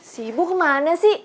si ibu kemana sih